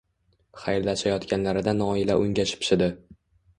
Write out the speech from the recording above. Xayrlashayotganlarida Noila unga shipshidi